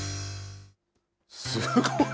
すごい。